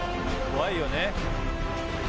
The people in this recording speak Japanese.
怖いよね。